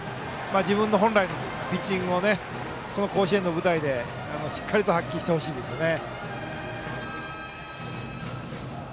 自分の本来のピッチングをこの甲子園の舞台でしっかりと発揮してほしいですね。